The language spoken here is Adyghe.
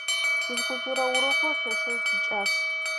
Физкультурэ урокыр лъэшэу тикӏас.